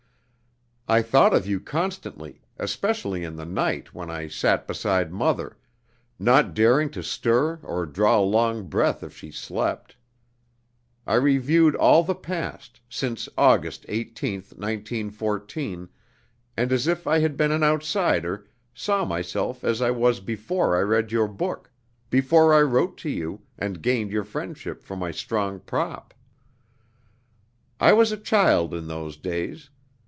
I thought of you constantly, especially in the night when I sat beside mother, not daring to stir or draw a long breath if she slept. I reviewed all the past, since August 18th, 1914, and as if I had been an outsider, saw myself as I was before I read your book before I wrote to you, and gained your friendship for my strong prop. "I was a child in those days.